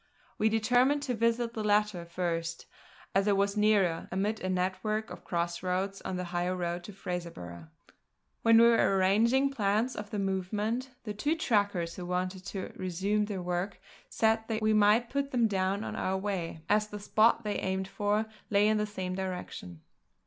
We determined to visit the latter first, as it was nearer, amid a network of cross roads on the high road to Fraserburgh. When we were arranging plans of movement, the two trackers who wanted to resume their work said that we might put them down on our way, as the spot they aimed for lay in the same direction.